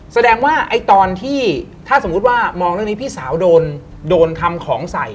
แสดงว่าไอ้ตอนที่ถ้าสมมุติว่ามองเรื่องนี้พี่สาวโดนทำของใส่